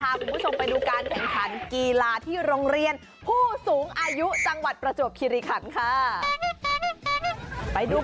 คุณผู้ชมไปดูการแข่งขันกีฬาที่โรงเรียนผู้สูงอายุจังหวัดประจวบคิริขันค่ะ